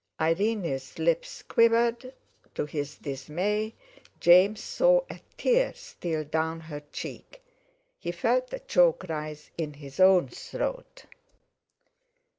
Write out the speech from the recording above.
Irene's lips quivered; to his dismay James saw a tear steal down her cheek. He felt a choke rise in his own throat.